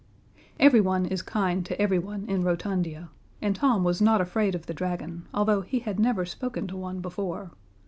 Everyone is kind to everyone in Rotundia, and Tom was not afraid of the dragon, although he had never spoken to one before.